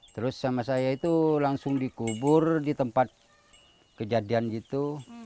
terus sama saya itu langsung dikubur di tempat kejadian gitu